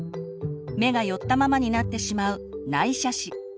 目が寄ったままになってしまう「内斜視」